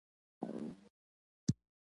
زه د خپلي ژبي ادب ساتم.